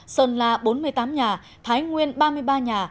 sơn la bốn mươi tám nhà thái nguyên ba mươi ba nhà